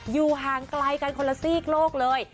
อยู่ห่างไกลกันคนละซีกโลกเลย